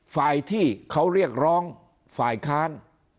ฝ่ายที่เขาเรียกร้องฝ่ายค้าน